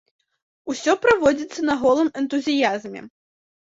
Усё праводзіцца на голым энтузіязме.